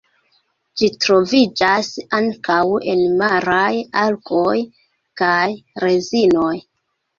Ĝi troviĝas ankaŭ en maraj algoj kaj rezinoj.